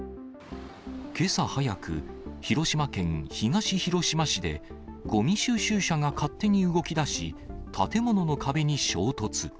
けさ早く、広島県東広島市で、ごみ収集車が勝手に動きだし、建物の壁に衝突。